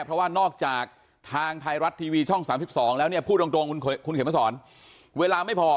เพราะว่านอกจากทางไทยรัฐทีวีช่อง๓๒แล้วเนี่ยพูดตรงคุณเขมสอนเวลาไม่พอ